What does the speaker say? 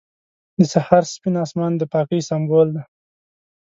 • د سهار سپین آسمان د پاکۍ سمبول دی.